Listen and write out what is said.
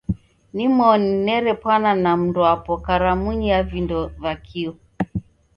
Nimoni nerepwana na mndwapo karamunyi ya vindo va kio.